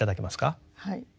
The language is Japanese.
はい。